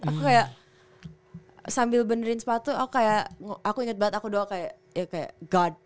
aku kayak sambil benerin sepatu oh kayak aku inget banget aku doa kayak ya kayak guard